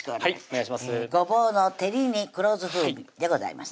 「ごぼうの照り煮黒酢風味」でございます